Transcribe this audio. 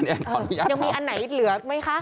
พี่อาทายังมีอันไหนหลือไหมคะ